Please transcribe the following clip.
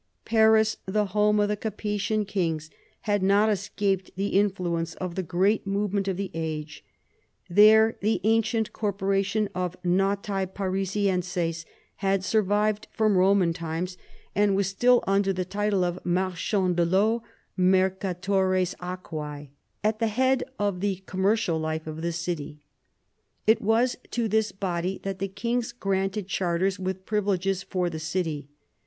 Paris, the home of the Capetian kings, had not escaped the influence of the great movement of the age. There the ancient corporation of nautce Parisienses had survived from Roman times, and was still, under v THE ADVANCE OF THE MONARCHY 153 the title of marchands de I'eau, mercaiores aquce, at the head of the commercial life of the city. It was to this body that the kings granted charters with privileges for the city.